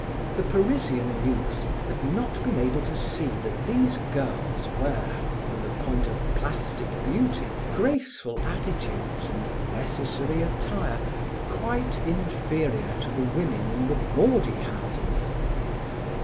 The Parisian youth had not been able to see that these girls were, from the point of plastic beauty, graceful attitudes and necessary attire, quite inferior to the women in the bawdy houses!